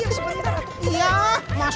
terus liat belum ada yaam nyamanya mahou